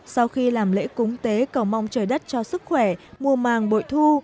sau khi làm lễ cúng tế cầu mong trời đất cho sức khỏe mùa màng bội thu